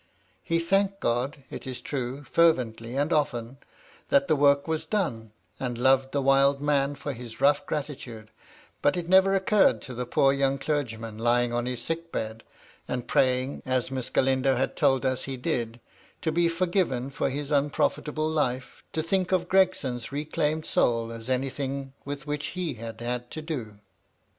He thanked God, it is true, fervently and often, that the work was done ; and loved the wild man for his rough gratitude ; but it never occurred to the poor young cler^jinan, lymg on his sick bed, and 262 BfY LADY LUDLOW. praying, as Miss Galindo had told us he did, to be forgiven for his unprofitable life, to think of Gregson's reclaimed soul as anything with which he had had to do.